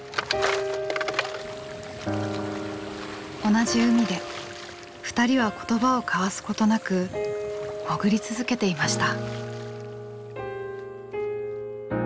同じ海で二人は言葉を交わすことなく潜り続けていました。